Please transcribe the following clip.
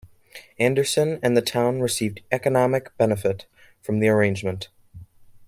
Anderson and the town received economic benefit from the arrangement.